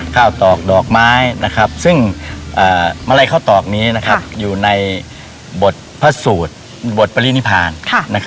ตอกดอกไม้ซึ่งมาลัยข้าวตอกนี้อยู่ในบทพระสูตรบทปรินิพาน